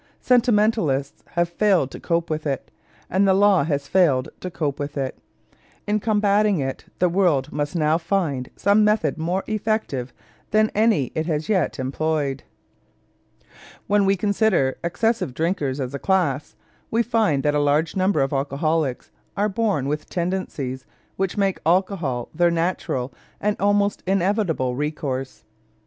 Sentimentalists have failed to cope with it, and the law has failed to cope with it. In combating it, the world must now find some method more effective than any it has yet employed. When we consider excessive drinkers as a class, we find that a large number of alcoholics are born with tendencies which make alcohol their natural and almost inevitable recourse.